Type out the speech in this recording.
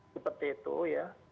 seperti itu ya